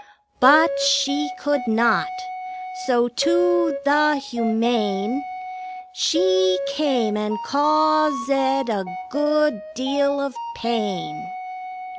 But she could not. So to the Humane She came, and caus ed a good deal of pain.